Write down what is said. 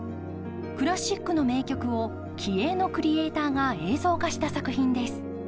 クラシックの名曲を気鋭のクリエーターが映像化した作品です。